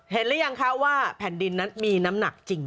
หรือยังคะว่าแผ่นดินนั้นมีน้ำหนักจริง